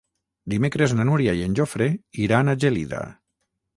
Dimecres na Núria i en Jofre iran a Gelida.